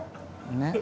ねっ。